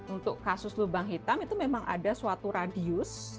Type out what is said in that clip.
untuk kasus lubang hitam itu memang ada suatu radius